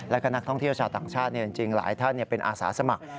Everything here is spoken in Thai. แล้วก็นักท่องเที่ยวชาวต่างชาติจริงหลายท่านเป็นอาสาสมัคร